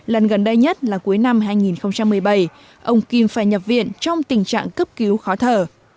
lần gần đây nhất là cuối năm hai nghìn một mươi bảy ông kim phải nhập viện trong tình trạng cấp cứu khó thở